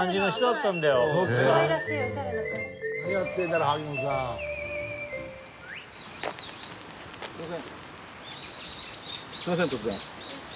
すいません突然。